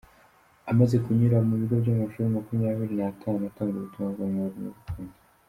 Amaze kunyura mu bigo by’amashuri makumyabiri natanu atanga ubutumwa bw’amahoro n’urukundo